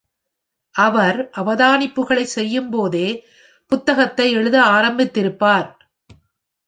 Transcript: அவர் அவதானிப்புகளை செய்யும்போதே புத்தகத்தை எழுத ஆரம்பித்திருப்பார்.